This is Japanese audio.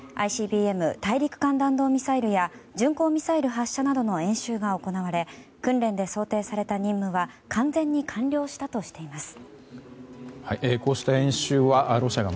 ＩＣＢＭ・大陸間弾道ミサイルや巡航ミサイル発射などの演習が行われ訓練で想定された任務は完全に完了したとしています。